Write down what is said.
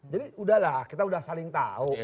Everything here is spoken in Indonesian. jadi udah lah kita udah saling tahu